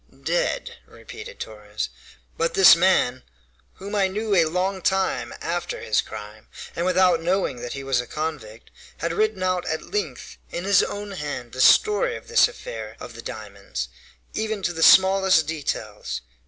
"Dead," repeated Torres; "but this man, whom I knew a long time after his crime, and without knowing that he was a convict, had written out at length, in his own hand, the story of this affair of the diamonds, even to the smallest details.